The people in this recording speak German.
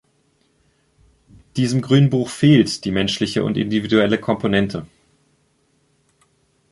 Diesem Grünbuch fehlt die menschliche und individuelle Komponente.